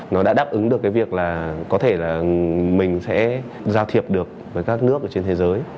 nó đã đáp ứng được cái việc là có thể là mình sẽ giao thiệp được với các nước trên thế giới